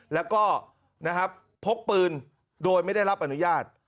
แล้วก็นะครับพกปืนโดยไม่ได้รับอนุญาต